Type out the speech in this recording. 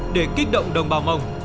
để kích động đồng bào mông